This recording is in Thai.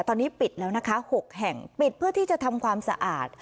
ตอนนี้ปิดแล้วนะคะ๖แห่งปิดเพื่อที่จะทำความสะอาด